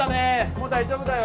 もう大丈夫だよ